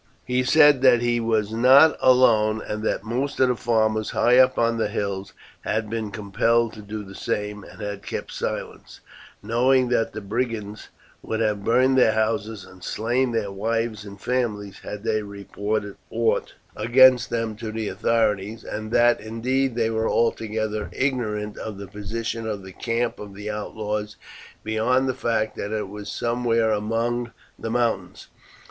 "He said that he was not alone, and that most of the farmers high up on the hills had been compelled to do the same, and had kept silence, knowing that the brigands would have burned their houses and slain their wives and families had they reported aught against them to the authorities, and that, indeed, they were altogether ignorant of the position of the camp of the outlaws beyond the fact that it was somewhere among the mountains.